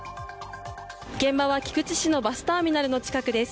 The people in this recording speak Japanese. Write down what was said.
現場は菊池市のバスターミナルの近くです。